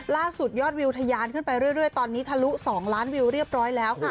ยอดวิวทะยานขึ้นไปเรื่อยตอนนี้ทะลุ๒ล้านวิวเรียบร้อยแล้วค่ะ